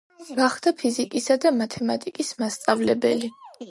გახდა ფიზიკისა და მათემატიკის მასწავლებელი.